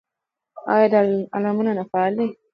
آیا دارالعلومونه فعال دي؟